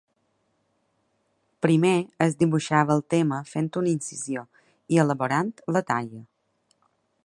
Primer es dibuixava el tema fent una incisió i elaborant la talla.